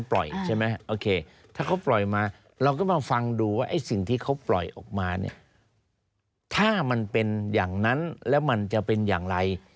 เราก็มาฟังดูว่าไอ้สิ่งที่เขาปล่อยออกมาถ้ามันเป็นอย่างนั้นแล้วมันจะเป็นอย่างไร